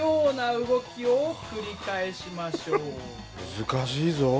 難しいぞ。